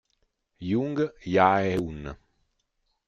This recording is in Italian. Jung Jae-eun